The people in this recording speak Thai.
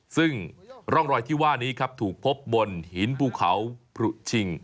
ซึ่งร่องรอยที่ว่านี้ครับถูกพบบนหินภูเขาผลุชิง